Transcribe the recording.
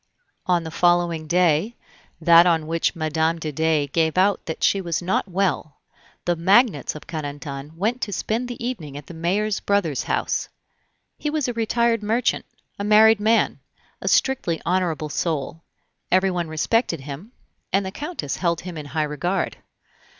On the following day, that on which Mme. de Dey gave out that she was not well, the magnates of Carentan went to spend the evening at the mayor's brother's house. He was a retired merchant, a married man, a strictly honorable soul; everyone respected him, and the Countess held him in high regard.